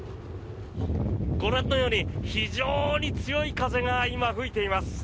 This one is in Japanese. ご覧のように非常に強い風が今、吹いています。